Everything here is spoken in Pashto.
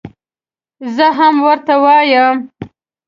زه هم ورته وایم.